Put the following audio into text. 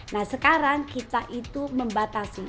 nah sekarang kita itu membatasi